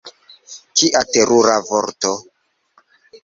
Kia terura vorto!